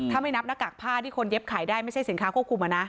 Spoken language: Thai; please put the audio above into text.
ถ้าไม่นับหน้ากากผ้าที่คนเย็บขายได้ไม่ใช่สินค้าควบคุมนะ